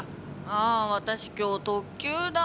あ私今日特急だ。